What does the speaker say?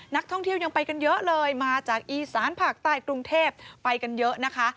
นักท่องเที่ยวยังไปกันเยอะเลยมาจากอีสานภาคใต้กรุงเทพไปกันเยอะนะคะ